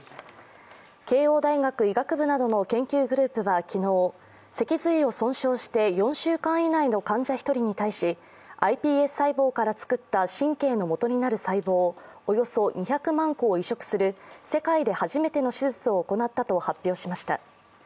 慶応大学医学部などの研究グループは昨日、脊髄を損傷して４週間以内の患者１人に対しｉＰＳ細胞から作った神経のもとになる細胞、およそ２００万個を移植する世界で初めての手術を行ったと発表しました。